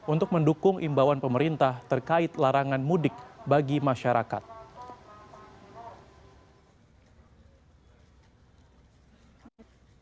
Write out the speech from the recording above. untuk mendukung penyesuaian kereta api pt kai akan melakukan penyesuaian operasional kereta api mulai dua puluh empat april dua ribu dua puluh hingga tiga puluh april dua ribu dua puluh